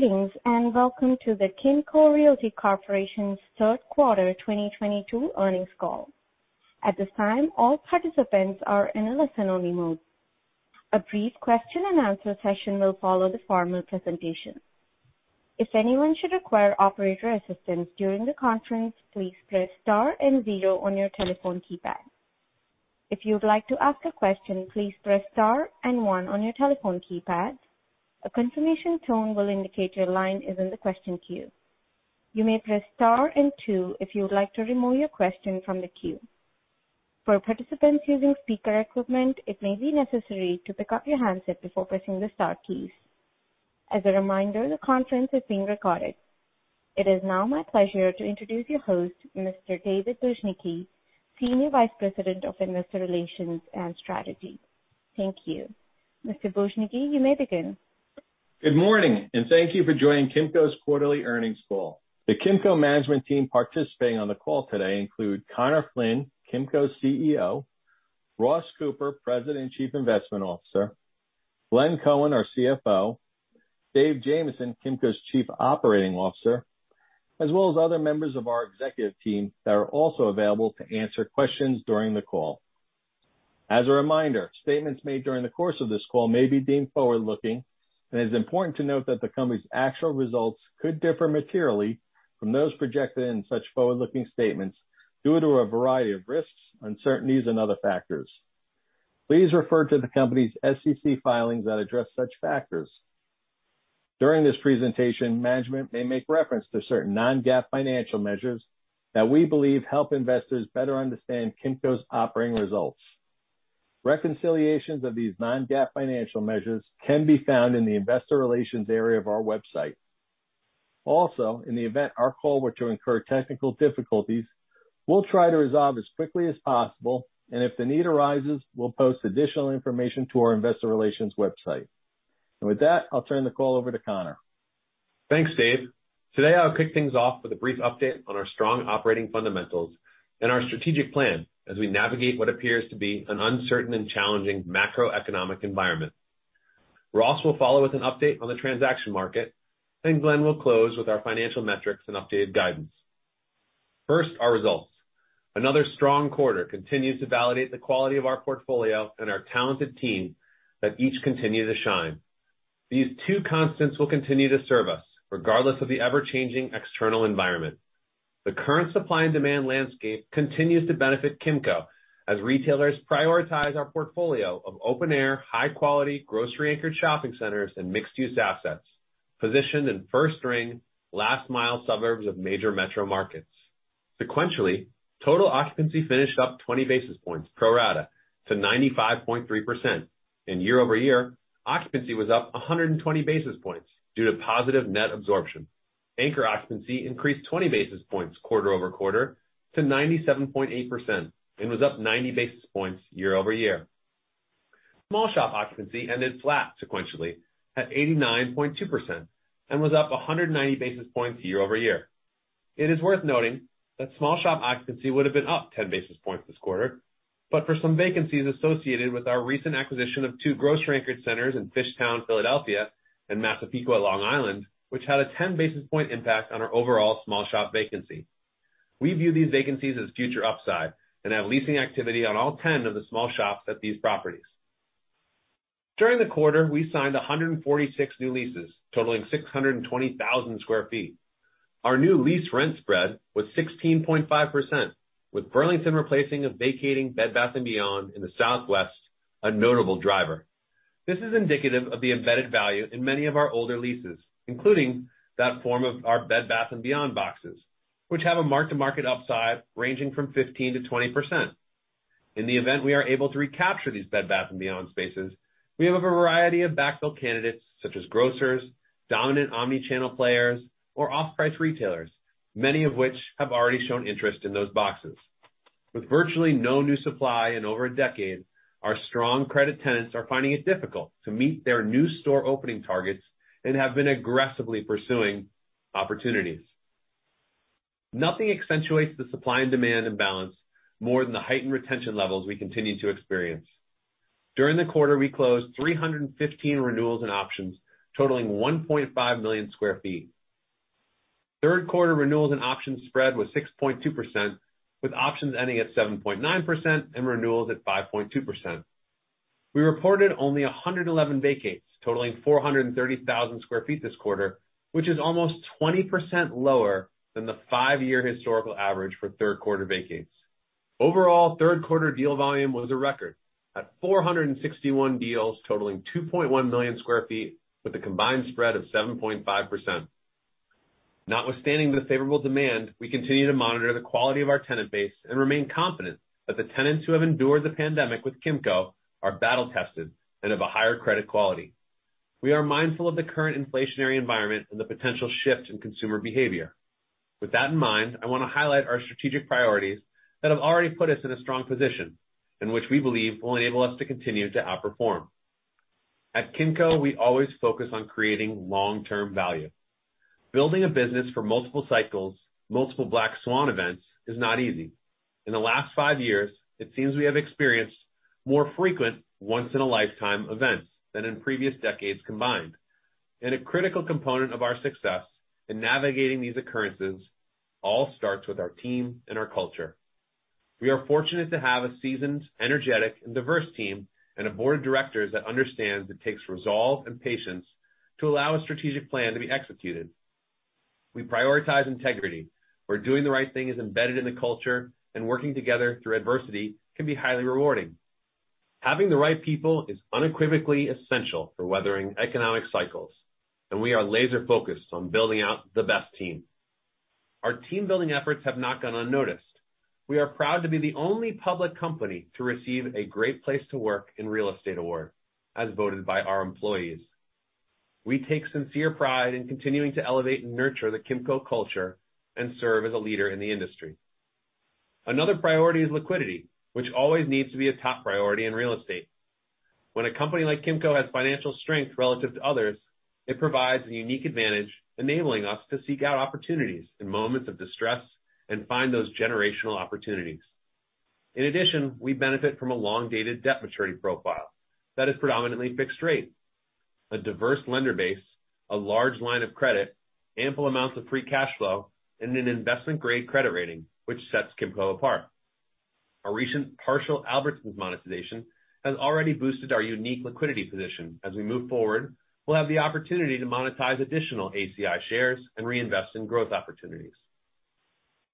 Greetings, and welcome to the Kimco Realty Corporation's third quarter 2022 earnings call. At this time, all participants are in a listen-only mode. A brief question and answer session will follow the formal presentation. If anyone should require operator assistance during the conference, please press star and zero on your telephone keypad. If you would like to ask a question, please press star and one on your telephone keypad. A confirmation tone will indicate your line is in the question queue. You may press star and two if you would like to remove your question from the queue. For participants using speaker equipment, it may be necessary to pick up your handset before pressing the star keys. As a reminder, the conference is being recorded. It is now my pleasure to introduce your host, Mr. David Bujnicki, Senior Vice President of Investor Relations and Strategy. Thank you. Mr. Bujnicki, you may begin. Good morning, and thank you for joining Kimco's quarterly earnings call. The Kimco management team participating on the call today include Conor Flynn, Kimco's CEO, Ross Cooper, President, Chief Investment Officer, Glenn Cohen, our CFO, David Jamieson, Kimco's Chief Operating Officer, as well as other members of our executive team that are also available to answer questions during the call. As a reminder, statements made during the course of this call may be deemed forward-looking, and it is important to note that the company's actual results could differ materially from those projected in such forward-looking statements due to a variety of risks, uncertainties, and other factors. Please refer to the company's SEC filings that address such factors. During this presentation, management may make reference to certain non-GAAP financial measures that we believe help investors better understand Kimco's operating results. Reconciliations of these non-GAAP financial measures can be found in the investor relations area of our website. Also, in the event our call were to incur technical difficulties, we'll try to resolve as quickly as possible, and if the need arises, we'll post additional information to our investor relations website. With that, I'll turn the call over to Conor. Thanks, Dave. Today, I'll kick things off with a brief update on our strong operating fundamentals and our strategic plan as we navigate what appears to be an uncertain and challenging macroeconomic environment. Ross will follow with an update on the transaction market, then Glenn will close with our financial metrics and updated guidance. First, our results. Another strong quarter continues to validate the quality of our portfolio and our talented team that each continue to shine. These two constants will continue to serve us regardless of the ever-changing external environment. The current supply and demand landscape continues to benefit Kimco as retailers prioritize our portfolio of open air, high quality, grocery anchored shopping centers and mixed use assets, positioned in first ring, last mile suburbs of major metro markets. Sequentially, total occupancy finished up 20 basis points pro rata to 95.3%. Year-over-year, occupancy was up 120 basis points due to positive net absorption. Anchor occupancy increased 20 basis points quarter-over-quarter to 97.8% and was up 90 basis points year-over-year. Small shop occupancy ended flat sequentially at 89.2% and was up 190 basis points year-over-year. It is worth noting that small shop occupancy would have been up 10 basis points this quarter, but for some vacancies associated with our recent acquisition of two grocery anchored centers in Fishtown, Philadelphia and Massapequa, Long Island, which had a 10 basis point impact on our overall small shop vacancy. We view these vacancies as future upside and have leasing activity on all 10 of the small shops at these properties. During the quarter, we signed 146 new leases totaling 620,000 sq ft. Our new lease rent spread was 16.5%, with Burlington replacing a vacating Bed Bath & Beyond in the Southwest, a notable driver. This is indicative of the embedded value in many of our older leases, including that form of our Bed Bath & Beyond boxes, which have a mark-to-market upside ranging from 15%-20%. In the event we are able to recapture these Bed Bath & Beyond spaces, we have a variety of backfill candidates such as grocers, dominant omni-channel players or off-price retailers, many of which have already shown interest in those boxes. With virtually no new supply in over a decade, our strong credit tenants are finding it difficult to meet their new store opening targets and have been aggressively pursuing opportunities. Nothing accentuates the supply and demand imbalance more than the heightened retention levels we continue to experience. During the quarter, we closed 315 renewals and options totaling 1.5 million sq ft. Third quarter renewals and options spread was 6.2%, with options ending at 7.9% and renewals at 5.2%. We reported only 111 vacates totaling 430,000 sq ft this quarter, which is almost 20% lower than the five-year historical average for third quarter vacates. Overall, third quarter deal volume was a record at 461 deals totaling 2.1 million sq ft with a combined spread of 7.5%. Notwithstanding the favorable demand, we continue to monitor the quality of our tenant base and remain confident that the tenants who have endured the pandemic with Kimco are battle-tested and have a higher credit quality. We are mindful of the current inflationary environment and the potential shift in consumer behavior. With that in mind, I wanna highlight our strategic priorities that have already put us in a strong position in which we believe will enable us to continue to outperform. At Kimco, we always focus on creating long-term value. Building a business for multiple cycles, multiple black swan events is not easy. In the last five years, it seems we have experienced more frequent once in a lifetime events than in previous decades combined. A critical component of our success in navigating these occurrences all starts with our team and our culture. We are fortunate to have a seasoned, energetic, and diverse team and a board of directors that understands it takes resolve and patience to allow a strategic plan to be executed. We prioritize integrity, where doing the right thing is embedded in the culture, and working together through adversity can be highly rewarding. Having the right people is unequivocally essential for weathering economic cycles, and we are laser-focused on building out the best team. Our team-building efforts have not gone unnoticed. We are proud to be the only public company to receive a great place to work in real estate award, as voted by our employees. We take sincere pride in continuing to elevate and nurture the Kimco culture and serve as a leader in the industry. Another priority is liquidity, which always needs to be a top priority in real estate. When a company like Kimco has financial strength relative to others, it provides a unique advantage, enabling us to seek out opportunities in moments of distress and find those generational opportunities. In addition, we benefit from a long-dated debt maturity profile that is predominantly fixed rate, a diverse lender base, a large line of credit, ample amounts of free cash flow, and an investment-grade credit rating, which sets Kimco apart. Our recent partial Albertsons monetization has already boosted our unique liquidity position. As we move forward, we'll have the opportunity to monetize additional ACI shares and reinvest in growth opportunities.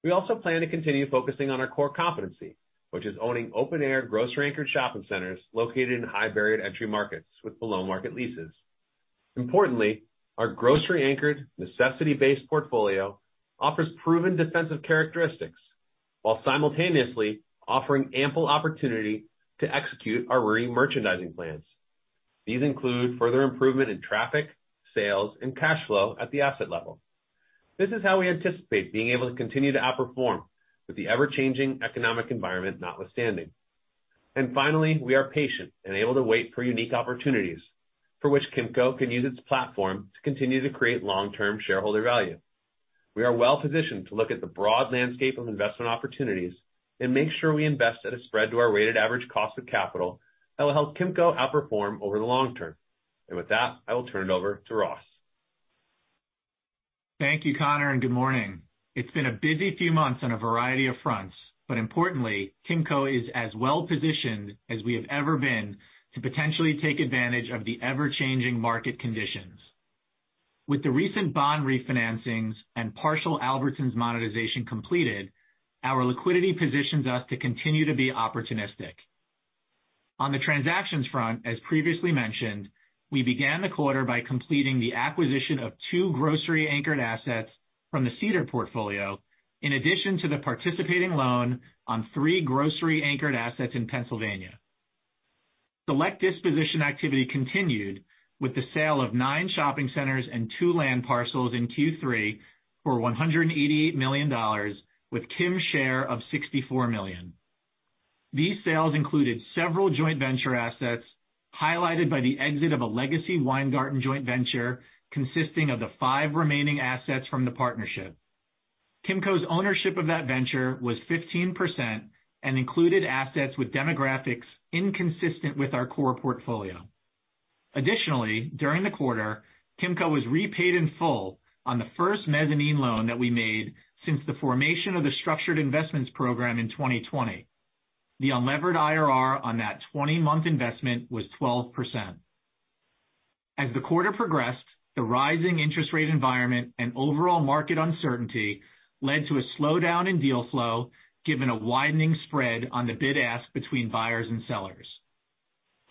We also plan to continue focusing on our core competency, which is owning open air grocery anchored shopping centers located in high barrier to entry markets with below market leases. Importantly, our grocery anchored necessity-based portfolio offers proven defensive characteristics while simultaneously offering ample opportunity to execute our re-merchandising plans. These include further improvement in traffic, sales, and cash flow at the asset level. This is how we anticipate being able to continue to outperform with the ever-changing economic environment notwithstanding. Finally, we are patient and able to wait for unique opportunities for which Kimco can use its platform to continue to create long-term shareholder value. We are well-positioned to look at the broad landscape of investment opportunities and make sure we invest at a spread to our weighted average cost of capital that will help Kimco outperform over the long term. With that, I will turn it over to Ross. Thank you, Conor, and good morning. It's been a busy few months on a variety of fronts, but importantly, Kimco is as well-positioned as we have ever been to potentially take advantage of the ever-changing market conditions. With the recent bond refinancings and partial Albertsons monetization completed, our liquidity positions us to continue to be opportunistic. On the transactions front, as previously mentioned, we began the quarter by completing the acquisition of two grocery anchored assets from the Cedar portfolio, in addition to the participating loan on three grocery anchored assets in Pennsylvania. Select disposition activity continued with the sale of nine shopping centers and two land parcels in Q3 for $188 million, with Kim's share of $64 million. These sales included several joint venture assets, highlighted by the exit of a legacy Weingarten joint venture consisting of the five remaining assets from the partnership. Kimco's ownership of that venture was 15% and included assets with demographics inconsistent with our core portfolio. Additionally, during the quarter, Kimco was repaid in full on the first mezzanine loan that we made since the formation of the structured investments program in 2020. The unlevered IRR on that 20-month investment was 12%. As the quarter progressed, the rising interest rate environment and overall market uncertainty led to a slowdown in deal flow given a widening spread on the bid ask between buyers and sellers.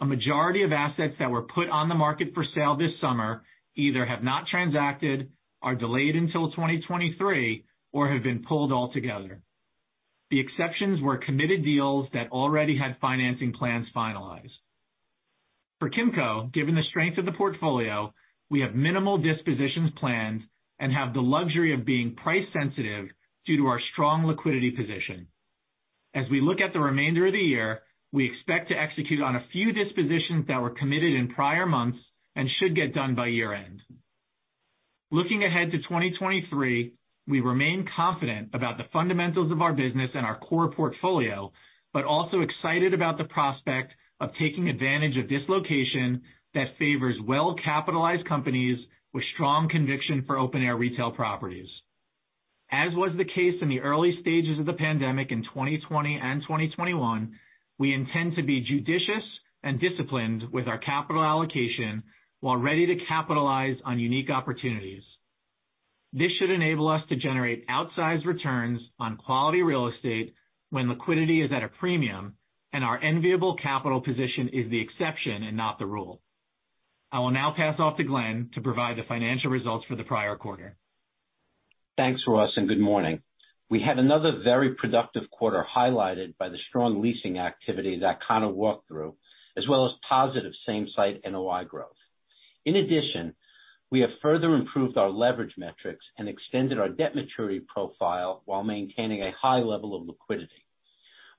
A majority of assets that were put on the market for sale this summer either have not transacted, are delayed until 2023, or have been pulled altogether. The exceptions were committed deals that already had financing plans finalized. For Kimco, given the strength of the portfolio, we have minimal dispositions planned and have the luxury of being price sensitive due to our strong liquidity position. As we look at the remainder of the year, we expect to execute on a few dispositions that were committed in prior months and should get done by year-end. Looking ahead to 2023, we remain confident about the fundamentals of our business and our core portfolio, but also excited about the prospect of taking advantage of dislocation that favors well-capitalized companies with strong conviction for open air retail properties. As was the case in the early stages of the pandemic in 2020 and 2021, we intend to be judicious and disciplined with our capital allocation while ready to capitalize on unique opportunities. This should enable us to generate outsized returns on quality real estate when liquidity is at a premium and our enviable capital position is the exception and not the rule. I will now pass off to Glenn to provide the financial results for the prior quarter. Thanks, Ross, and good morning. We had another very productive quarter highlighted by the strong leasing activity that Conor walked through, as well as positive same-store NOI growth. In addition, we have further improved our leverage metrics and extended our debt maturity profile while maintaining a high level of liquidity.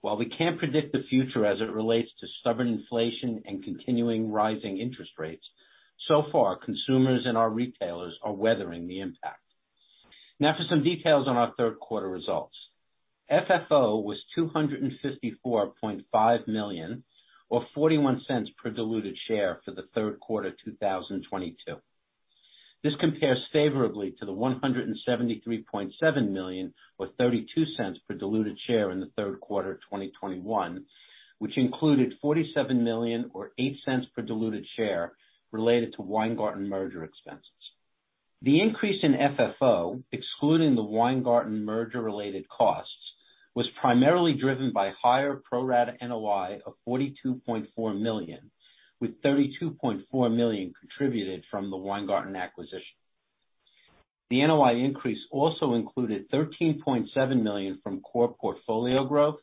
While we can't predict the future as it relates to stubborn inflation and continuing rising interest rates, so far, consumers and our retailers are weathering the impact. Now for some details on our third quarter results. FFO was $254.5 million, or $0.41 per diluted share for the third quarter 2022. This compares favorably to the $173.7 million, or $0.32 per diluted share in the third quarter of 2021, which included $47 million or $0.08 per diluted share related to Weingarten merger expenses. The increase in FFO, excluding the Weingarten merger related costs, was primarily driven by higher pro rata NOI of $42.4 million, with $32.4 million contributed from the Weingarten acquisition. The NOI increase also included $13.7 million from core portfolio growth,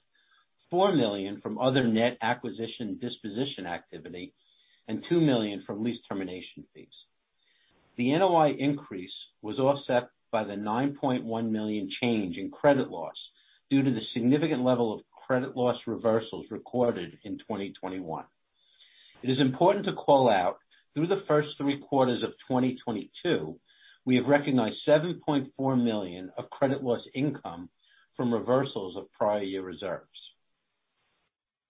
$4 million from other net acquisition disposition activity, and $2 million from lease termination fees. The NOI increase was offset by the $9.1 million change in credit loss due to the significant level of credit loss reversals recorded in 2021. It is important to call out through the first three quarters of 2022, we have recognized $7.4 million of credit loss income from reversals of prior year reserves.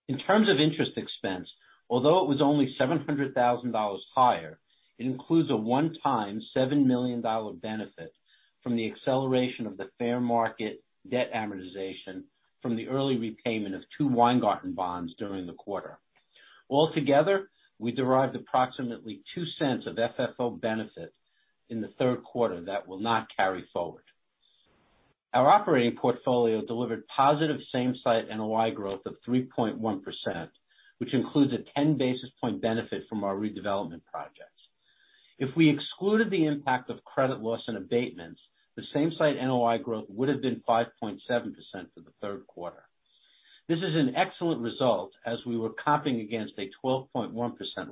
In terms of interest expense, although it was only $700,000 higher, it includes a one-time $7 million benefit from the acceleration of the fair market debt amortization from the early repayment of two Weingarten bonds during the quarter. Altogether, we derived approximately $0.02 of FFO benefit in the third quarter that will not carry forward. Our operating portfolio delivered positive same site NOI growth of 3.1%, which includes a 10 basis point benefit from our redevelopment projects. If we excluded the impact of credit loss and abatements, the same site NOI growth would have been 5.7% for the third quarter. This is an excellent result as we were comping against a 12.1%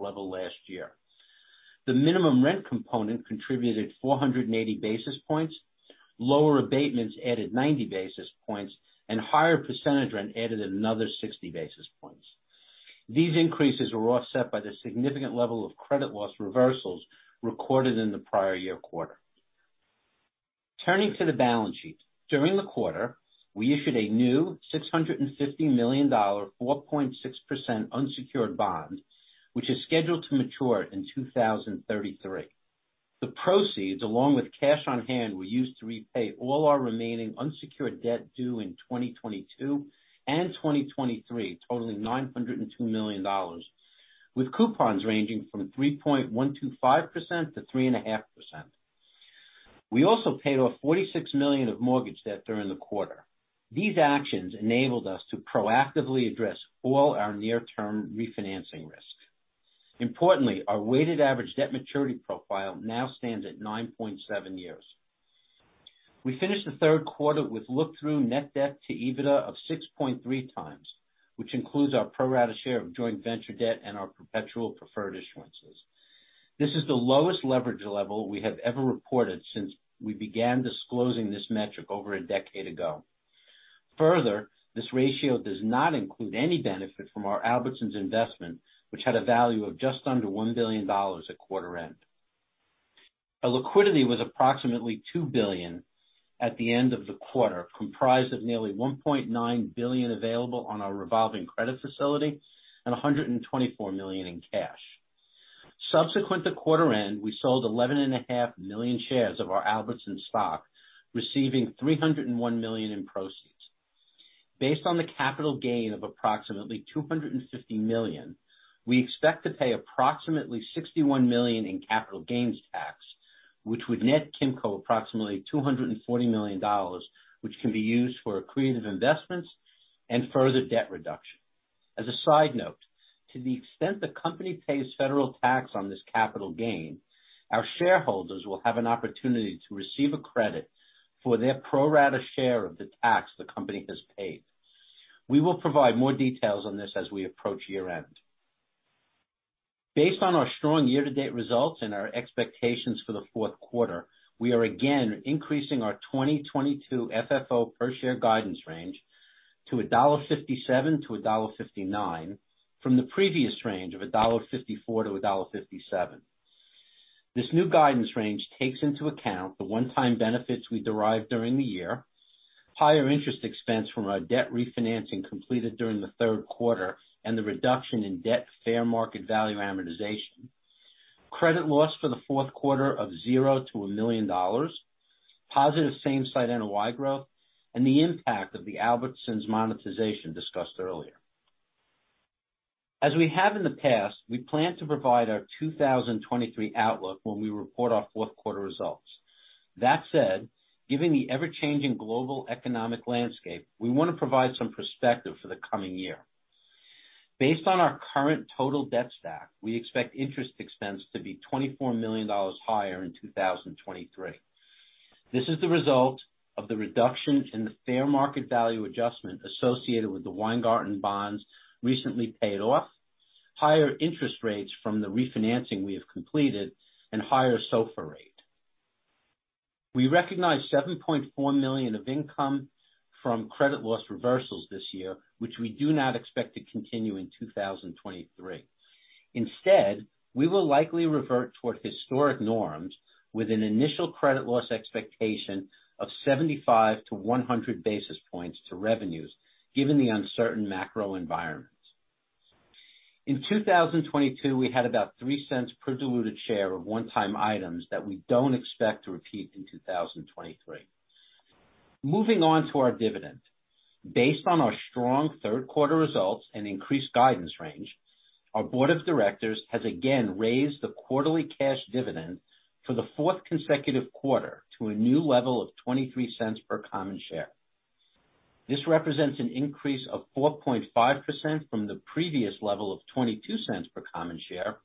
level last year. The minimum rent component contributed 480 basis points. Lower abatements added 90 basis points and higher percentage rent added another 60 basis points. These increases were offset by the significant level of credit loss reversals recorded in the prior year quarter. Turning to the balance sheet. During the quarter, we issued a new $650 million, 4.6% unsecured bond, which is scheduled to mature in 2033. The proceeds, along with cash on hand, were used to repay all our remaining unsecured debt due in 2022 and 2023, totaling $902 million, with coupons ranging from 3.125%-3.5%. We also paid off $46 million of mortgage debt during the quarter. These actions enabled us to proactively address all our near-term refinancing risks. Importantly, our weighted average debt maturity profile now stands at 9.7 years. We finished the third quarter with look-through net debt to EBITDA of 6.3x, which includes our pro rata share of joint venture debt and our perpetual preferred issuances. This is the lowest leverage level we have ever reported since we began disclosing this metric over a decade ago. Further, this ratio does not include any benefit from our Albertsons investment, which had a value of just under $1 billion at quarter end. Our liquidity was approximately $2 billion at the end of the quarter, comprised of nearly $1.9 billion available on our revolving credit facility and $124 million in cash. Subsequent to quarter end, we sold 11.5 million shares of our Albertsons stock, receiving $301 million in proceeds. Based on the capital gain of approximately $250 million, we expect to pay approximately $61 million in capital gains tax, which would net Kimco approximately $240 million, which can be used for accretive investments and further debt reduction. As a side note, to the extent the company pays federal tax on this capital gain, our shareholders will have an opportunity to receive a credit for their pro rata share of the tax the company has paid. We will provide more details on this as we approach year-end. Based on our strong year-to-date results and our expectations for the fourth quarter, we are again increasing our 2022 FFO per share guidance range to $1.57-$1.59 from the previous range of $1.54-$1.57. This new guidance range takes into account the one-time benefits we derived during the year, higher interest expense from our debt refinancing completed during the third quarter, and the reduction in debt fair market value amortization. Credit loss for the fourth quarter of $0-$1 million, positive same-store NOI growth, and the impact of the Albertsons monetization discussed earlier. We plan to provide our 2023 outlook when we report our fourth quarter results. Given the ever-changing global economic landscape, we want to provide some perspective for the coming year. Based on our current total debt stack, we expect interest expense to be $24 million higher in 2023. This is the result of the reduction in the fair market value adjustment associated with the Weingarten bonds recently paid off, higher interest rates from the refinancing we have completed, and higher SOFR rate. We recognized $7.4 million of income from credit loss reversals this year, which we do not expect to continue in 2023. Instead, we will likely revert toward historic norms with an initial credit loss expectation of 75-100 basis points to revenues given the uncertain macro environment. In 2022, we had about $0.03 per diluted share of one-time items that we don't expect to repeat in 2023. Moving on to our dividend. Based on our strong third quarter results and increased guidance range, our board of directors has again raised the quarterly cash dividend for the fourth consecutive quarter to a new level of $0.23 per common share. This represents an increase of 4.5% from the previous level of $0.22 per common share,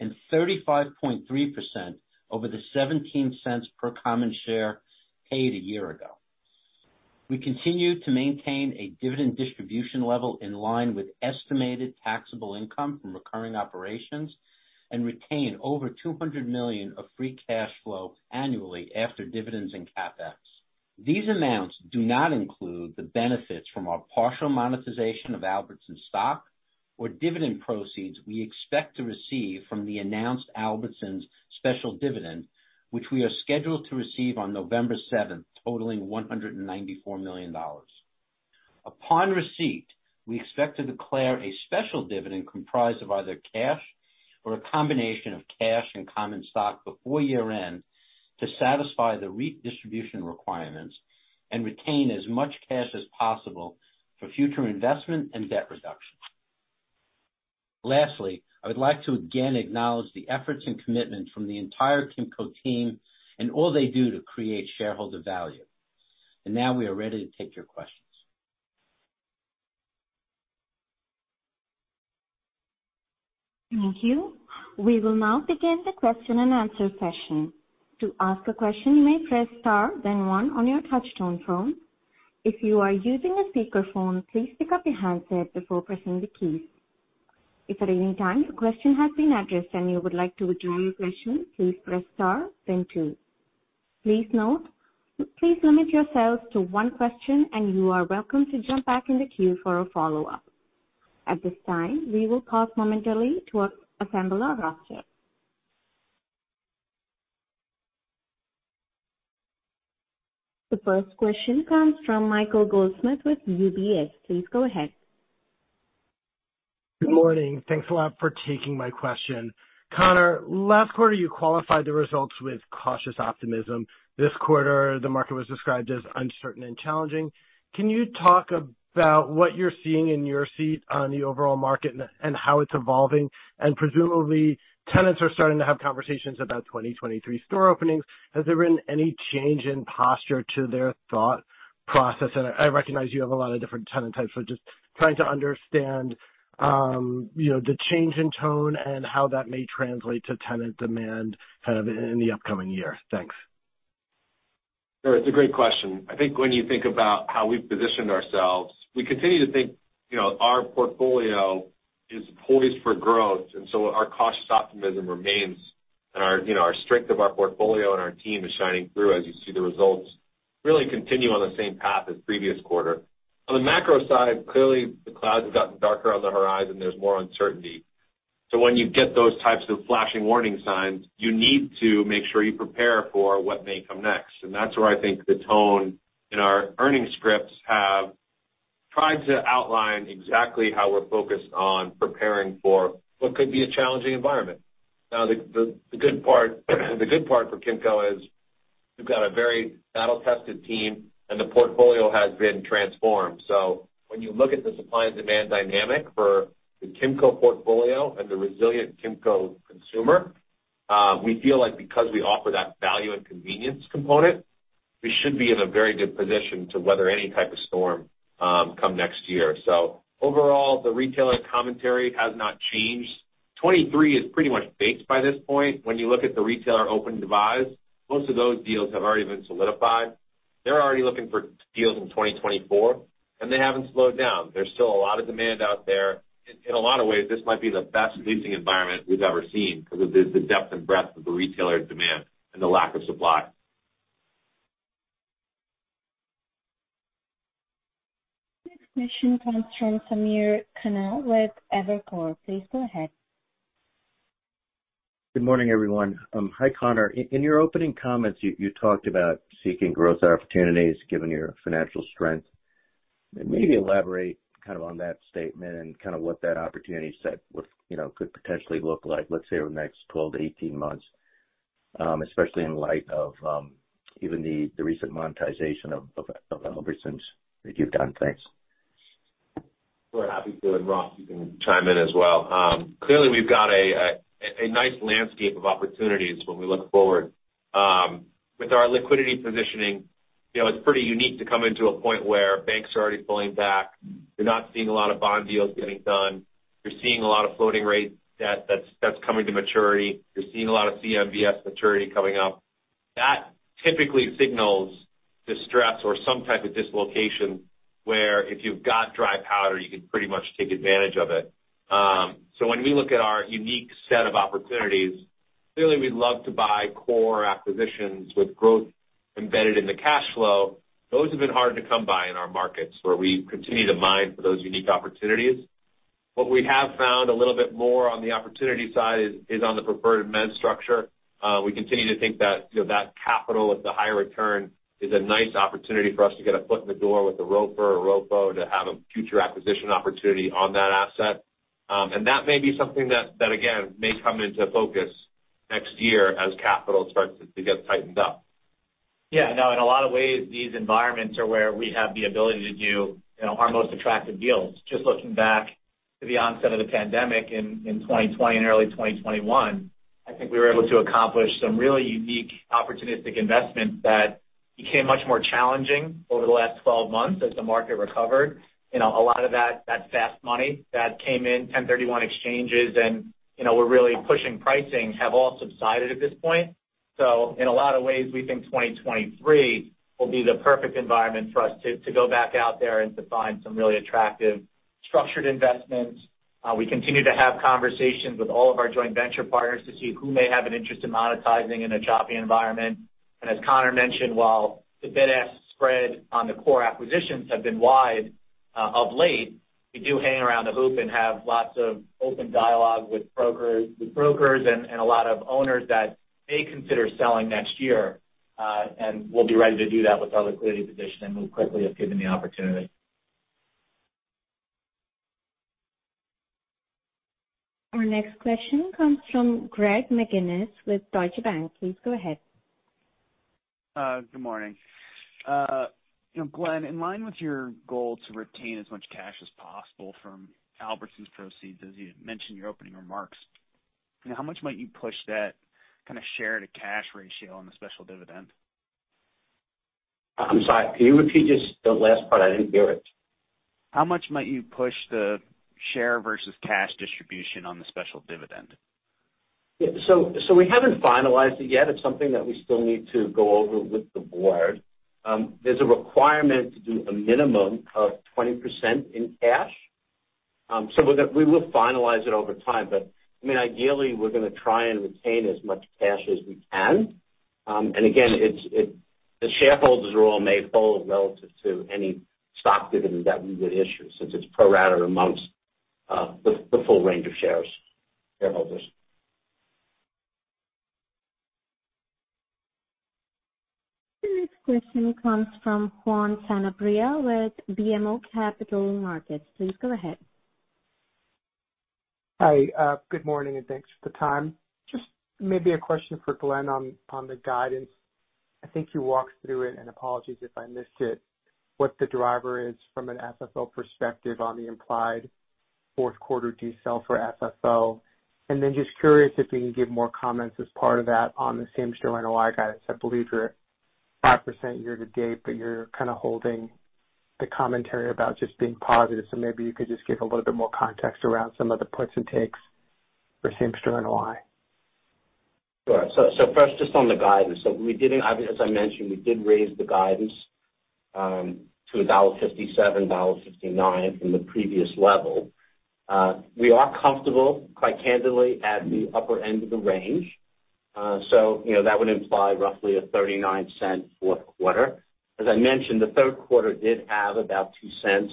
and 35.3% over the $0.17 per common share paid a year ago. We continue to maintain a dividend distribution level in line with estimated taxable income from recurring operations and retain over $200 million of free cash flow annually after dividends and CapEx. These amounts do not include the benefits from our partial monetization of Albertsons stock or dividend proceeds we expect to receive from the announced Albertsons special dividend, which we are scheduled to receive on November 7th, totaling $194 million. Upon receipt, we expect to declare a special dividend comprised of either cash or a combination of cash and common stock before year-end to satisfy the redistribution requirements and retain as much cash as possible for future investment and debt reduction. Lastly, I would like to again acknowledge the efforts and commitment from the entire Kimco team and all they do to create shareholder value. Now we are ready to take your questions. Thank you. We will now begin the question and answer session. To ask a question, you may press Star, then one on your touchtone phone. If you are using a speakerphone, please pick up your handset before pressing the keys. If at any time a question has been addressed and you would like to withdraw your question, please press Star then two. Please note, please limit yourselves to one question and you are welcome to jump back in the queue for a follow-up. At this time, we will pause momentarily to assemble our roster. The first question comes from Michael Goldsmith with UBS. Please go ahead. Good morning. Thanks a lot for taking my question. Conor, last quarter, you qualified the results with cautious optimism. This quarter, the market was described as uncertain and challenging. Can you talk about what you're seeing in your seat on the overall market and how it's evolving? Presumably, tenants are starting to have conversations about 2023 store openings. Has there been any change in posture to their thought process? I recognize you have a lot of different tenant types, so just trying to understand, you know, the change in tone and how that may translate to tenant demand kind of in the upcoming year. Thanks. No, it's a great question. I think when you think about how we've positioned ourselves, we continue to think, you know, our portfolio is poised for growth, and so our cautious optimism remains. Our, you know, our strength of our portfolio and our team is shining through as you see the results really continue on the same path as previous quarter. On the macro side, clearly the clouds have gotten darker on the horizon. There's more uncertainty. When you get those types of flashing warning signs, you need to make sure you prepare for what may come next. That's where I think the tone in our earnings scripts have tried to outline exactly how we're focused on preparing for what could be a challenging environment. Now, the good part for Kimco is we've got a very battle-tested team, and the portfolio has been transformed. When you look at the supply and demand dynamic for the Kimco portfolio and the resilient Kimco consumer, we feel like because we offer that value and convenience component, we should be in a very good position to weather any type of storm, come next year. Overall, the retailer commentary has not changed. 2023 is pretty much baked by this point. When you look at the retailer open-to-buys, most of those deals have already been solidified. They're already looking for deals in 2024, and they haven't slowed down. There's still a lot of demand out there.In a lot of ways, this might be the best leasing environment we've ever seen because of the depth and breadth of the retailer demand and the lack of supply. Next question comes from Samir Khanal with Evercore. Please go ahead. Good morning, everyone. Hi, Conor. In your opening comments, you talked about seeking growth opportunities given your financial strength. Maybe elaborate kind of on that statement and kind of what that opportunity set would, you know, could potentially look like, let's say, over the next 12-18 months, especially in light of even the recent monetization of Albertsons that you've done. Thanks. We're happy to, and Ross, you can chime in as well. Clearly, we've got a nice landscape of opportunities when we look forward. With our liquidity positioning, you know, it's pretty unique to come into a point where banks are already pulling back. You're not seeing a lot of bond deals getting done. You're seeing a lot of floating rate debt that's coming to maturity. You're seeing a lot of CMBS maturity coming up. That typically signals Distress or some type of dislocation where if you've got dry powder, you can pretty much take advantage of it. When we look at our unique set of opportunities, clearly we'd love to buy core acquisitions with growth embedded in the cash flow. Those have been hard to come by in our markets where we continue to mine for those unique opportunities. What we have found a little bit more on the opportunity side is on the preferred equity structure. We continue to think that, you know, that capital with the higher return is a nice opportunity for us to get a foot in the door with a ROFR or ROFO to have a future acquisition opportunity on that asset. That may be something that again may come into focus next year as capital starts to get tightened up. Yeah, no, in a lot of ways these environments are where we have the ability to do, you know, our most attractive deals. Just looking back to the onset of the pandemic in 2020 and early 2021, I think we were able to accomplish some really unique opportunistic investments that became much more challenging over the last 12 months as the market recovered. You know, a lot of that fast money that came in, 1031 exchanges and, you know, we're really pushing pricing have all subsided at this point. In a lot of ways, we think 2023 will be the perfect environment for us to go back out there and to find some really attractive structured investments. We continue to have conversations with all of our joint venture partners to see who may have an interest in monetizing in a choppy environment. As Conor mentioned, while the bid-ask spread on the core acquisitions have been wide, of late, we do hang around the hoop and have lots of open dialogue with brokers and a lot of owners that may consider selling next year. We'll be ready to do that with our liquidity position and move quickly if given the opportunity. Our next question comes from Greg McGinniss with Scotiabank. Please go ahead. Good morning. You know, Glenn, in line with your goal to retain as much cash as possible from Albertsons proceeds, as you mentioned in your opening remarks, how much might you push that kind of share to cash ratio on the special dividend? I'm sorry. Can you repeat just the last part? I didn't hear it. How much might you push the share versus cash distribution on the special dividend? Yeah. We haven't finalized it yet. It's something that we still need to go over with the board. There's a requirement to do a minimum of 20% in cash. We will finalize it over time. I mean, ideally, we're gonna try and retain as much cash as we can. Again, it's the shareholders role may fall relative to any stock dividend that we would issue, since it's pro rata amongst the full range of shareholders. The next question comes from Juan Sanabria with BMO Capital Markets. Please go ahead. Hi, good morning, and thanks for the time. Just maybe a question for Glenn on the guidance. I think you walked through it, and apologies if I missed it, what the driver is from an FFO perspective on the implied fourth quarter decel for FFO. Then just curious if you can give more comments as part of that on the same-store NOI guidance. I believe you're at 5% year to date, but you're kind of holding the commentary about just being positive. Maybe you could just give a little bit more context around some of the puts and takes for same-store NOI. Sure. First, just on the guidance. We did, as I mentioned, raise the guidance to $1.57-$1.59 from the previous level. We are comfortable, quite candidly, at the upper end of the range. So you know, that would imply roughly a $0.39 fourth quarter. As I mentioned, the third quarter did have about $0.02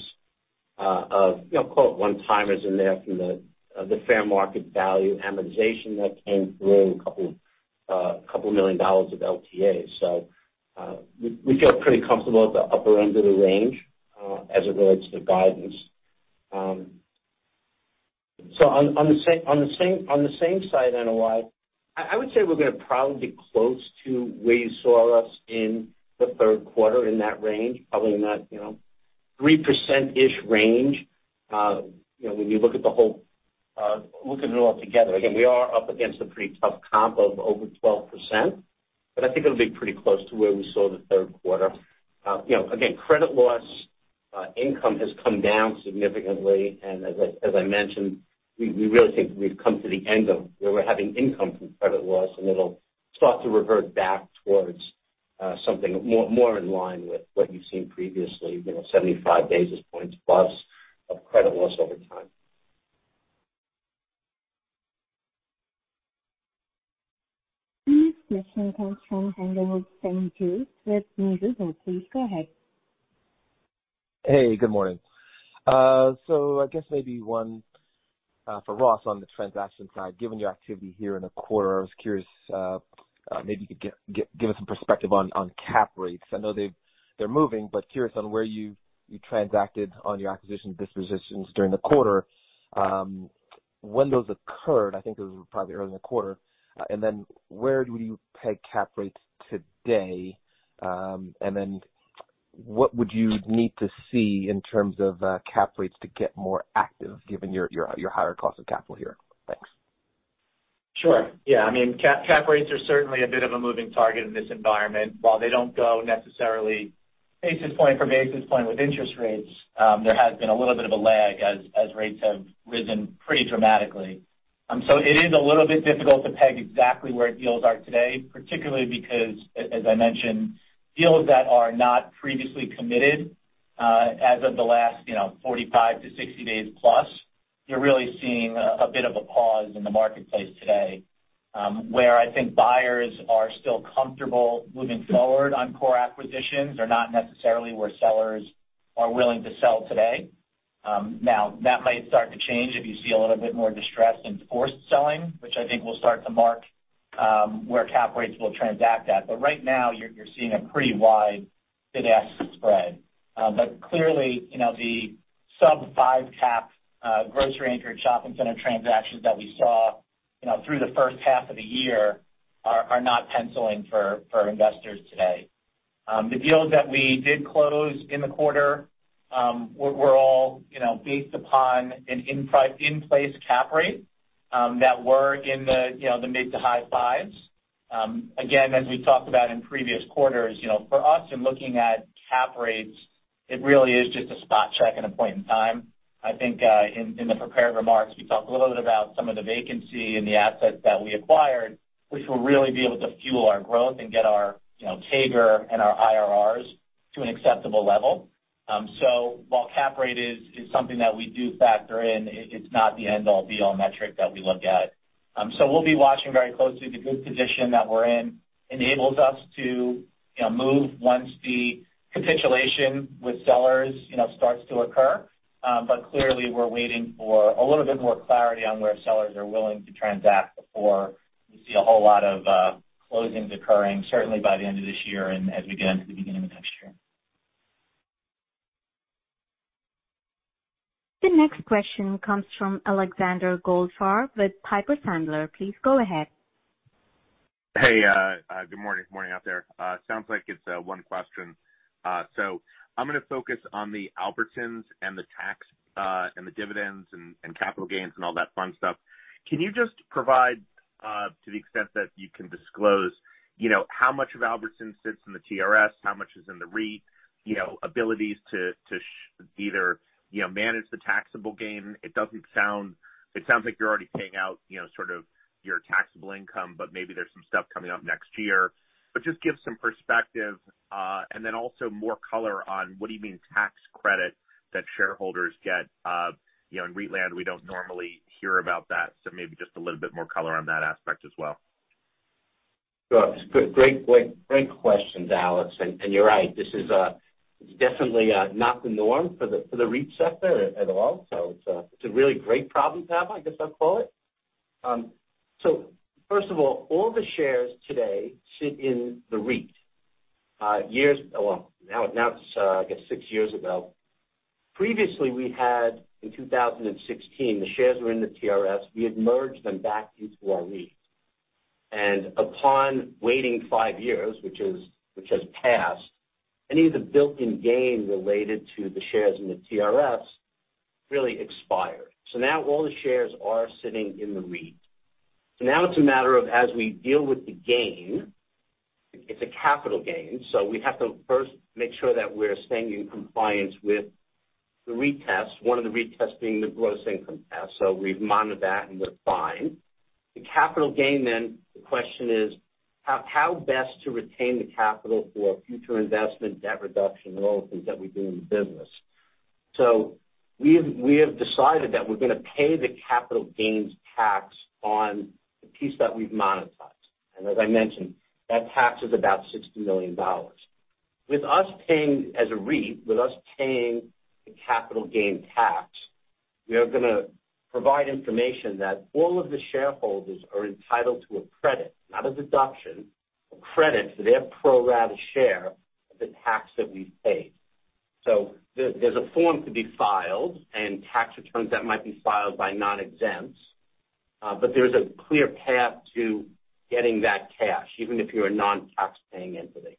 of, you know, quote, "one-timers" in there from the fair market value amortization that came through a couple million dollars of LTAs. We feel pretty comfortable at the upper end of the range as it relates to guidance. On the same-store NOI, I would say we're gonna probably be close to where you saw us in the third quarter in that range, probably in that, you know, 3%-ish range. You know, when you look at it all together. Again, we are up against a pretty tough comp of over 12%, but I think it'll be pretty close to where we saw the third quarter. You know, again, credit loss income has come down significantly, and as I mentioned, we really think we've come to the end of where we're having income from credit loss, and it'll start to revert back towards something more in line with what you've seen previously, you know, 75 basis points plus of credit loss over time. The next question comes from Haendel St. Juste with Mizuho. Please go ahead. Hey, good morning. I guess maybe one for Ross on the transaction side. Given your activity here in the quarter, I was curious, maybe you could give us some perspective on cap rates. I know they're moving, but curious on where you transacted on your acquisition dispositions during the quarter, when those occurred, I think it was probably early in the quarter, and then where do you peg cap rates today, and then what would you need to see in terms of cap rates to get more active given your higher cost of capital here? Thanks. Sure. Yeah. I mean, cap rates are certainly a bit of a moving target in this environment. While they don't go necessarily Basis point for basis point with interest rates, there has been a little bit of a lag as rates have risen pretty dramatically. It is a little bit difficult to peg exactly where deals are today, particularly because as I mentioned, deals that are not previously committed as of the last, you know, 45-60 days plus, you're really seeing a bit of a pause in the marketplace today. Where I think buyers are still comfortable moving forward on core acquisitions are not necessarily where sellers are willing to sell today. Now that might start to change if you see a little bit more distress in forced selling, which I think will start to mark where cap rates will transact at. Right now, you're seeing a pretty wide bid-ask spread. Clearly, you know, the sub-five cap grocery-anchored shopping center transactions that we saw, you know, through the first half of the year are not penciling for investors today. The deals that we did close in the quarter were all, you know, based upon an in-place cap rate that were in the, you know, the mid- to high-fives. Again, as we talked about in previous quarters, you know, for us in looking at cap rates, it really is just a spot check and a point in time. I think, in the prepared remarks, we talked a little bit about some of the vacancy in the assets that we acquired, which will really be able to fuel our growth and get our, you know, CAGR and our IRRs to an acceptable level. While cap rate is something that we do factor in, it's not the end-all, be-all metric that we look at. We'll be watching very closely. The good position that we're in enables us to, you know, move once the capitulation with sellers, you know, starts to occur. Clearly, we're waiting for a little bit more clarity on where sellers are willing to transact before we see a whole lot of closings occurring, certainly by the end of this year and as we get into the beginning of next year. The next question comes from Alexander Goldfarb with Piper Sandler. Please go ahead. Hey, good morning. Morning out there. Sounds like it's one question. I'm gonna focus on the Albertsons and the tax and the dividends and capital gains and all that fun stuff. Can you just provide to the extent that you can disclose, you know, how much of Albertsons sits in the TRS, how much is in the REIT, you know, abilities to either, you know, manage the taxable gain. It sounds like you're already paying out, you know, sort of your taxable income, but maybe there's some stuff coming up next year. Just give some perspective and then also more color on what do you mean tax credit that shareholders get. You know, in REIT land, we don't normally hear about that, so maybe just a little bit more color on that aspect as well. Sure. Great questions, Alex. You're right, this is definitely not the norm for the REIT sector at all. It's a really great problem to have, I guess I'll call it. First of all the shares today sit in the REIT. Well, now it's six years ago. Previously, in 2016, the shares were in the TRS. We had merged them back into our REIT. Upon waiting five years, which has passed, any of the built-in gain related to the shares in the TRS really expired. Now all the shares are sitting in the REIT. Now it's a matter of as we deal with the gain, it's a capital gain, so we have to first make sure that we're staying in compliance with the REIT test, one of the REIT tests being the gross income test. We've monitored that, and we're fine. The capital gain then, the question is how best to retain the capital for future investment, debt reduction, and all the things that we do in the business. We have decided that we're gonna pay the capital gains tax on the piece that we've monetized. As I mentioned, that tax is about $60 million. With us paying as a REIT, with us paying the capital gain tax, we are gonna provide information that all of the shareholders are entitled to a credit, not a deduction, a credit for their pro rata share of the tax that we've paid. There's a form to be filed and tax returns that might be filed by non-exempts, but there's a clear path to getting that cash, even if you're a non-tax paying entity.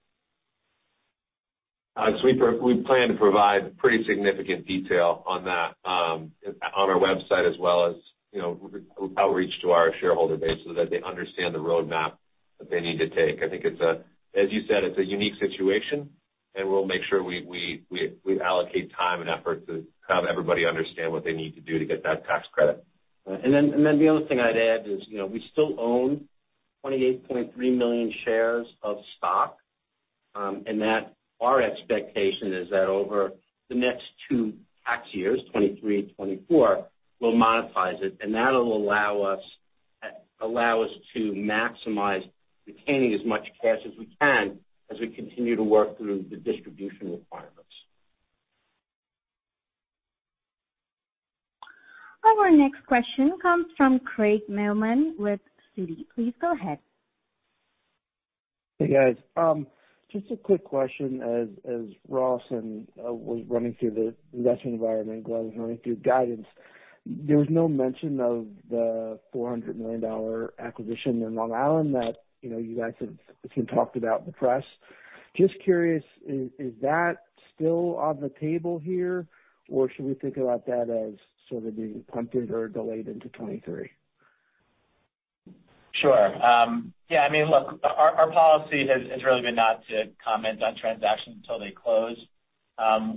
We plan to provide pretty significant detail on that, on our website as well as, you know, with outreach to our shareholder base so that they understand the roadmap that they need to take. I think as you said, it's a unique situation, and we'll make sure we allocate time and effort to have everybody understand what they need to do to get that tax credit. The other thing I'd add is, you know, we still own 28.3 million shares of stock, and that our expectation is that over the next two tax years, 2023 and 2024, we'll monetize it, and that'll allow us to maximize retaining as much cash as we can as we continue to work through the distribution requirements. Our next question comes from Craig Mailman with Citi. Please go ahead. Hey, guys. Just a quick question. As Ross was running through the investing environment, Glenn was running through guidance, there was no mention of the $400 million acquisition in Long Island that, you know, you guys have been talking about in the press. Just curious, is that still on the table here, or should we think about that as sort of being pumped or delayed into 2023? Sure. Yeah, I mean, look, our policy has really been not to comment on transactions until they close.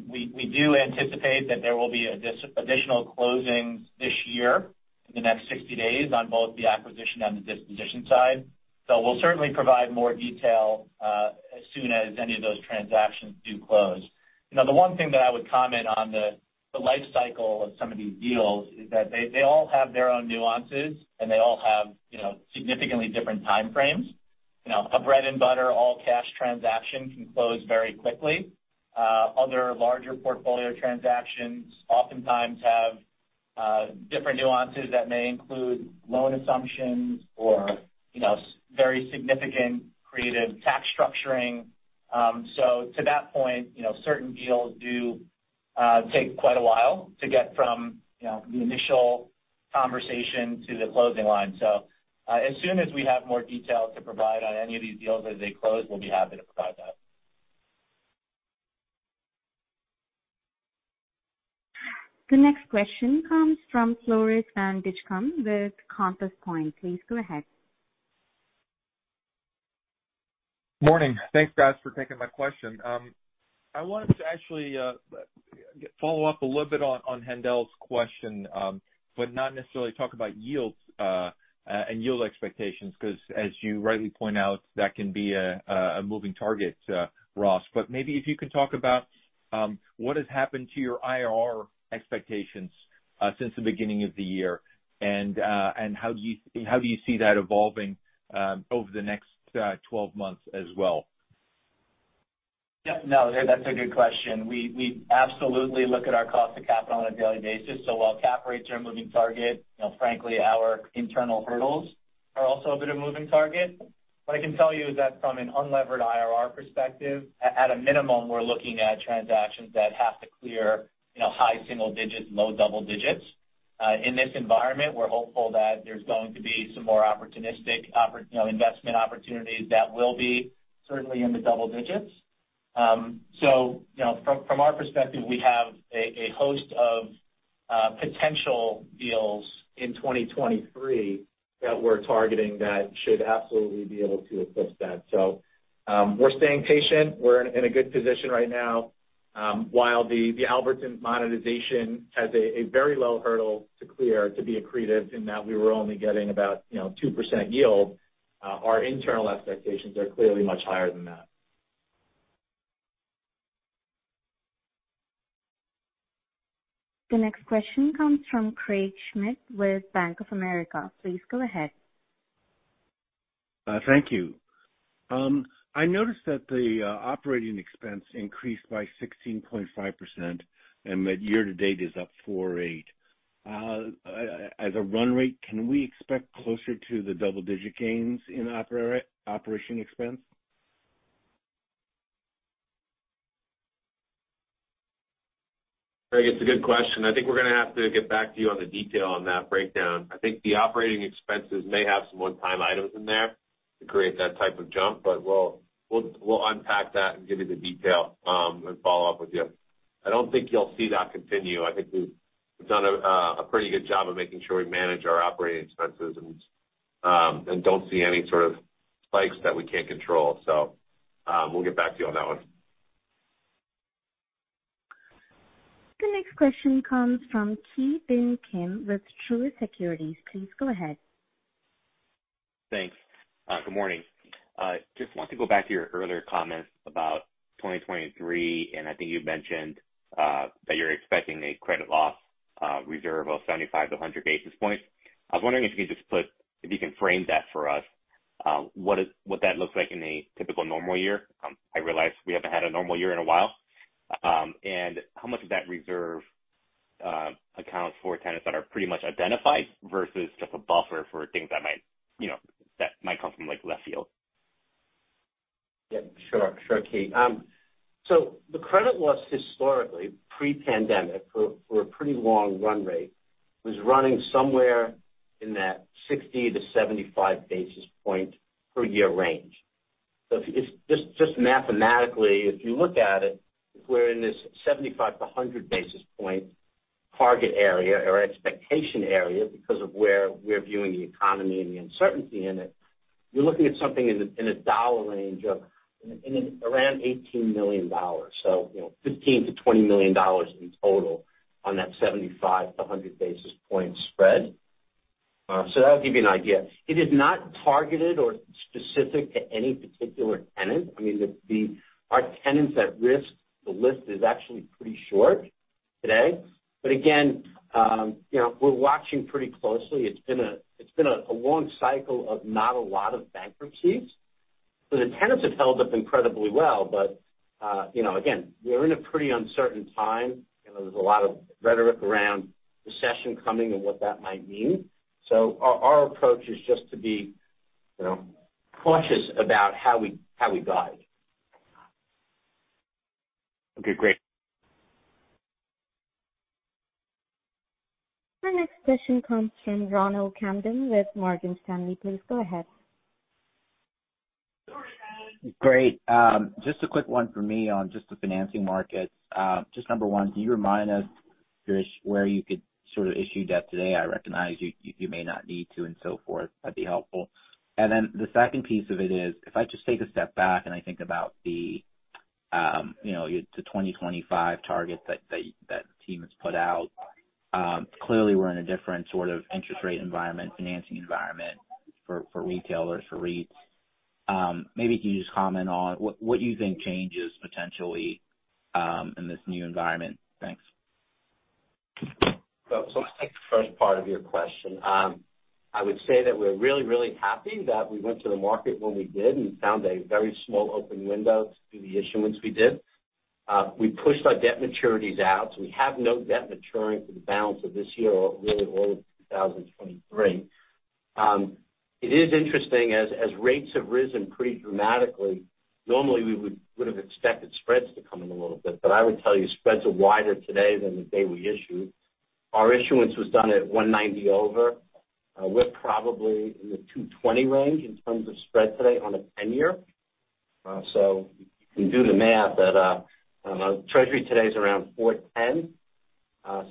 We do anticipate that there will be additional closings this year in the next 60 days on both the acquisition and the disposition side. We'll certainly provide more detail as soon as any of those transactions do close. You know, the one thing that I would comment on the life cycle of some of these deals is that they all have their own nuances and they all have, you know, significantly different time frames. You know, a bread-and-butter all-cash transaction can close very quickly. Other larger portfolio transactions oftentimes have different nuances that may include loan assumptions or, you know, very significant creative tax structuring. To that point, you know, certain deals do take quite a while to get from, you know, the initial conversation to the closing line. As soon as we have more details to provide on any of these deals as they close, we'll be happy to provide that. The next question comes from Floris van Dijkum with Compass Point. Please go ahead. Morning. Thanks, guys, for taking my question. I wanted to actually follow up a little bit on Haendel's question, but not necessarily talk about yields and yield expectations, 'cause as you rightly point out, that can be a moving target, Ross. Maybe if you can talk about what has happened to your IRR expectations since the beginning of the year and how do you see that evolving over the next 12 months as well? Yeah, no, that's a good question. We absolutely look at our cost of capital on a daily basis. While cap rates are a moving target, you know, frankly our internal hurdles are also a bit of a moving target. What I can tell you is that from an unlevered IRR perspective, at a minimum, we're looking at transactions that have to clear, you know, high single digits, low double digits. In this environment, we're hopeful that there's going to be some more opportunistic investment opportunities that will be certainly in the double digits. You know, from our perspective, we have a host of potential deals in 2023 that we're targeting that should absolutely be able to assist that. We're staying patient. We're in a good position right now. While the Albertsons monetization has a very low hurdle to clear to be accretive in that we were only getting about, you know, 2% yield, our internal expectations are clearly much higher than that. The next question comes from Craig Schmidt with Bank of America. Please go ahead. Thank you. I noticed that the operating expense increased by 16.5%, and that year to date is up 48. As a run rate, can we expect closer to the double-digit gains in operating expense? Craig, it's a good question. I think we're gonna have to get back to you on the detail on that breakdown. I think the operating expenses may have some one-time items in there to create that type of jump, but we'll unpack that and give you the detail and follow up with you. I don't think you'll see that continue. I think we've done a pretty good job of making sure we manage our operating expenses and don't see any sort of spikes that we can't control. So, we'll get back to you on that one. The next question comes from Ki Bin Kim with Truist Securities. Please go ahead. Thanks. Good morning. Just want to go back to your earlier comments about 2023, and I think you mentioned that you're expecting a credit loss reserve of 75-100 basis points. I was wondering if you could frame that for us, what that looks like in a typical normal year. I realize we haven't had a normal year in a while, and how much of that reserve accounts for tenants that are pretty much identified versus just a buffer for things that might, you know, that might come from, like, left field? Yeah. Sure, sure, Ki. The credit loss historically, pre-pandemic for a pretty long run rate, was running somewhere in that 60-75 basis points per year range. Mathematically, if you look at it, if we're in this 75-100 basis points target area or expectation area because of where we're viewing the economy and the uncertainty in it, you're looking at something in a dollar range of around $18 million. You know, $15 million-$20 million in total on that 75-100 basis points spread. That would give you an idea. It is not targeted or specific to any particular tenant. I mean, our tenants at risk, the list is actually pretty short today. Again, you know, we're watching pretty closely. It's been a long cycle of not a lot of bankruptcies. The tenants have held up incredibly well. You know, again, we're in a pretty uncertain time. You know, there's a lot of rhetoric around recession coming and what that might mean. Our approach is just to be, you know, cautious about how we guide. Okay, great. Our next question comes from Ronald Kamdem with Morgan Stanley. Please go ahead. Great. Just a quick one for me on just the financing market. Just number one, can you remind us where you could sort of issue debt today? I recognize you may not need to and so forth. That'd be helpful. The second piece of it is, if I just take a step back and I think about the, you know, the 2025 target that team has put out, clearly we're in a different sort of interest rate environment, financing environment for retailers, for REITs. Maybe can you just comment on what you think changes potentially in this new environment? Thanks. Let's take the first part of your question. I would say that we're really, really happy that we went to the market when we did, and we found a very small open window to do the issuance we did. We pushed our debt maturities out, so we have no debt maturing for the balance of this year or really all of 2023. It is interesting as rates have risen pretty dramatically, normally we would have expected spreads to come in a little bit, but I would tell you spreads are wider today than the day we issued. Our issuance was done at 190 over. We're probably in the 220 range in terms of spread today on a 10-year. You can do the math at treasury today's around 4.10.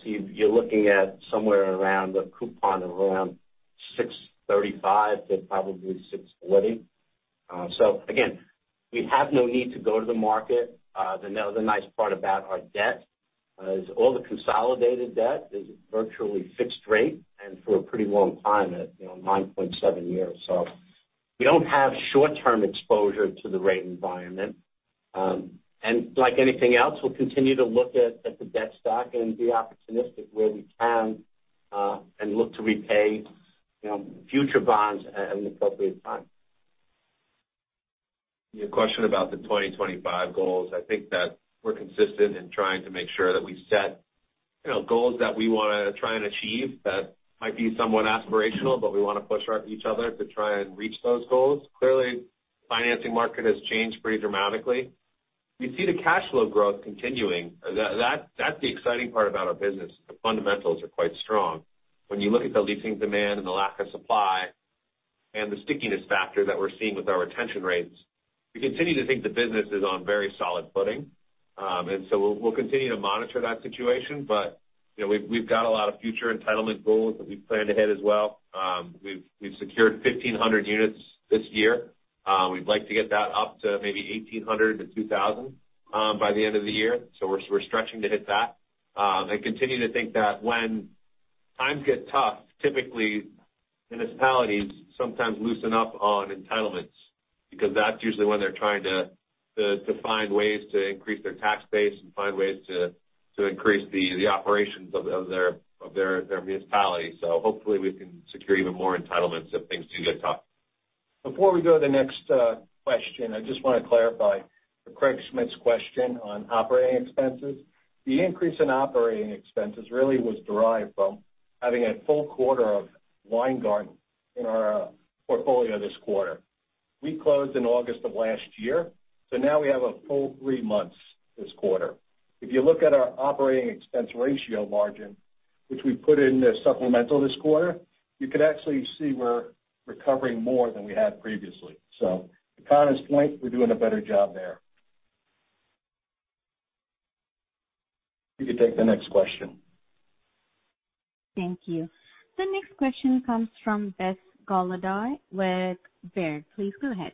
You're looking at somewhere around a coupon of around 6.35%-6.40%. Again, we have no need to go to the market. The other nice part about our debt is all the consolidated debt is virtually fixed rate and for a pretty long time, you know, 9.7 years. We don't have short-term exposure to the rate environment. Like anything else, we'll continue to look at the debt stack and be opportunistic where we can and look to repay, you know, future bonds at an appropriate time. Your question about the 2025 goals, I think that we're consistent in trying to make sure that we set, you know, goals that we wanna try and achieve that might be somewhat aspirational, but we want to push each other to try and reach those goals. Clearly, financing market has changed pretty dramatically. We see the cash flow growth continuing. That's the exciting part about our business. The fundamentals are quite strong. When you look at the leasing demand and the lack of supply and the stickiness factor that we're seeing with our retention rates, we continue to think the business is on very solid footing. We'll continue to monitor that situation. You know, we've got a lot of future entitlement goals that we've planned ahead as well. We've secured 1,500 units this year. We'd like to get that up to maybe 1,800-2,000 by the end of the year. We're stretching to hit that. I continue to think that when times get tough, typically municipalities sometimes loosen up on entitlements because that's usually when they're trying to find ways to increase their tax base and find ways to increase the operations of their municipality. Hopefully, we can secure even more entitlements if things do get tough. Before we go to the next question, I just want to clarify Craig Schmidt's question on operating expenses. The increase in operating expenses really was derived from having a full quarter of Weingarten in our portfolio this quarter. We closed in August of last year, so now we have a full three months this quarter. If you look at our operating expense ratio margin, which we put in the supplemental this quarter, you could actually see we're recovering more than we had previously. To Conor's point, we're doing a better job there. You can take the next question. Thank you. The next question comes from Wes Golladay with Baird. Please go ahead.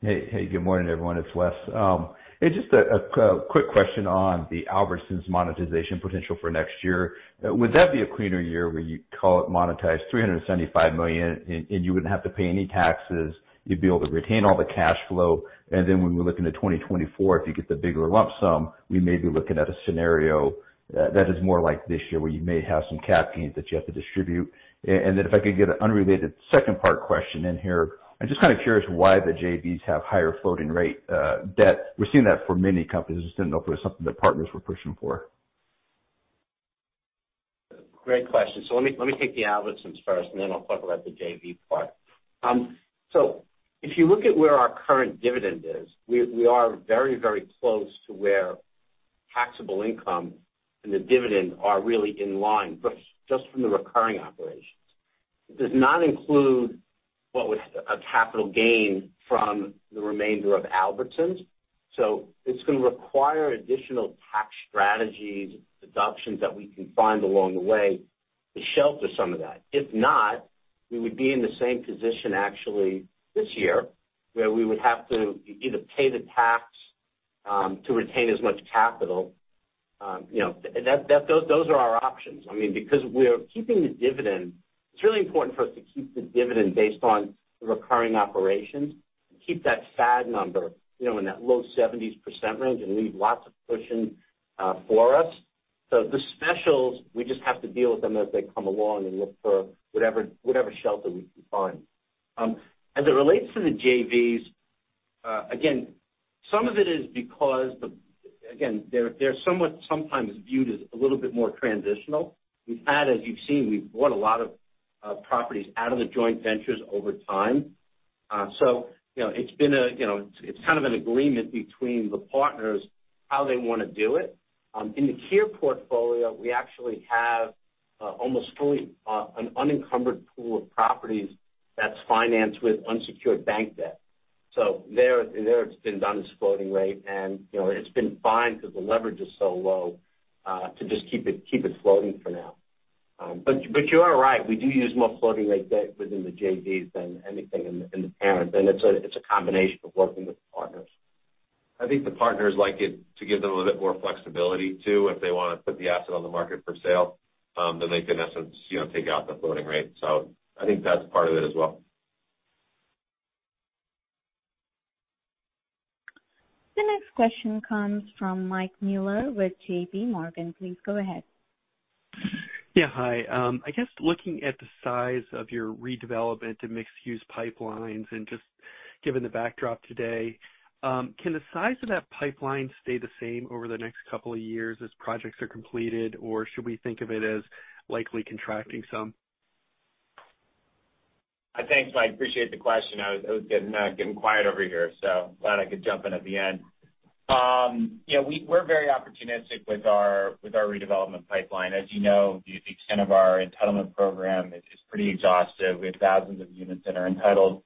Hey. Hey, good morning, everyone. It's Wes. Hey, just a quick question on the Albertsons monetization potential for next year. Would that be a cleaner year where you call it monetized $375 million and you wouldn't have to pay any taxes, you'd be able to retain all the cash flow? When we look into 2024, if you get the bigger lump sum, we may be looking at a scenario that is more like this year where you may have some cap gains that you have to distribute. If I could get an unrelated second part question in here. I'm just kind of curious why the JVs have higher floating rate debt. We're seeing that for many companies. I just didn't know if it was something that partners were pushing for. Great question. Let me take the Albertsons first, and then I'll talk about the JV part. If you look at where our current dividend is, we are very close to where taxable income and the dividend are really in line, but just from the recurring operations. It does not include what was a capital gain from the remainder of Albertsons. It's going to require additional tax strategies, adaptations that we can find along the way to shelter some of that. If not, we would be in the same position actually this year, where we would have to either pay the tax to retain as much capital. You know, those are our options. I mean, because we're keeping the dividend, it's really important for us to keep the dividend based on the recurring operations and keep that FAD number, you know, in that low 70s% range and leave lots of cushion for us. The specials, we just have to deal with them as they come along and look for whatever shelter we can find. As it relates to the JVs, again, some of it is because. Again, they're somewhat sometimes viewed as a little bit more transitional. We've had, as you've seen, we've bought a lot of properties out of the joint ventures over time. You know, it's kind of an agreement between the partners, how they want to do it. In the KIR portfolio, we actually have Almost fully, an unencumbered pool of properties that's financed with unsecured bank debt. There it's been done as floating rate and, you know, it's been fine because the leverage is so low, to just keep it floating for now. You are right, we do use more floating rate debt within the JVs than anything in the parent, and it's a combination of working with partners. I think the partners like it to give them a little bit more flexibility too if they wanna put the asset on the market for sale, then they can in essence, you know, take out that floating rate. So I think that's part of it as well. The next question comes from Mike Mueller with JPMorgan. Please go ahead. Yeah, hi. I guess looking at the size of your redevelopment to mixed-use pipelines and just given the backdrop today, can the size of that pipeline stay the same over the next couple of years as projects are completed, or should we think of it as likely contracting some? Thanks, Mike. Appreciate the question. It was getting quiet over here, so glad I could jump in at the end. Yeah, we're very opportunistic with our redevelopment pipeline. As you know, the extent of our entitlement program is pretty exhaustive. We have thousands of units that are entitled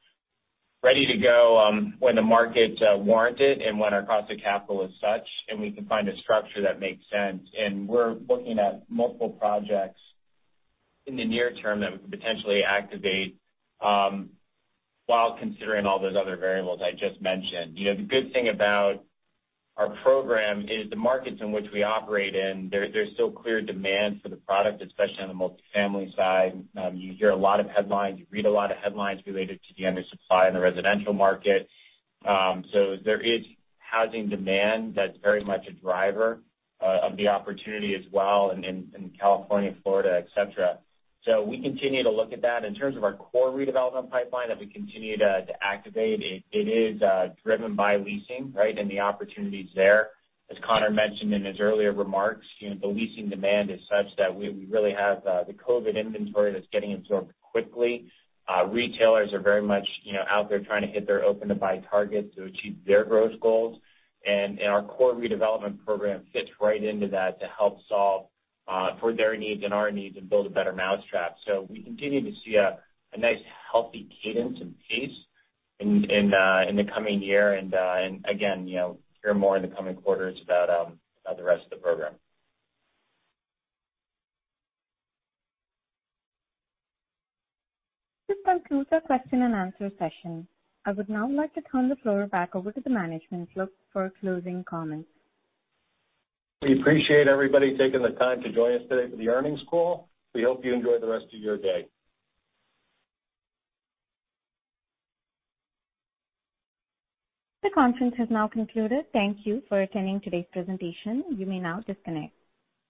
ready to go, when the market warrant it and when our cost of capital is such, and we can find a structure that makes sense. We're looking at multiple projects in the near term that we can potentially activate, while considering all those other variables I just mentioned. You know, the good thing about our program is the markets in which we operate in, there's still clear demand for the product, especially on the multifamily side. You hear a lot of headlines, you read a lot of headlines related to the undersupply in the residential market. There is housing demand that's very much a driver of the opportunity as well in California, Florida, et cetera. We continue to look at that. In terms of our core redevelopment pipeline that we continue to activate, it is driven by leasing, right? The opportunities there. As Conor mentioned in his earlier remarks, you know, the leasing demand is such that we really have the COVID inventory that's getting absorbed quickly. Retailers are very much, you know, out there trying to hit their open-to-buy targets to achieve their growth goals. Our core redevelopment program fits right into that to help solve for their needs and our needs and build a better mousetrap. We continue to see a nice, healthy cadence and pace in the coming year. Again, you know, hear more in the coming quarters about the rest of the program. This concludes our question and answer session. I would now like to turn the floor back over to the management for closing comments. We appreciate everybody taking the time to join us today for the earnings call. We hope you enjoy the rest of your day. The conference has now concluded. Thank you for attending today's presentation. You may now disconnect.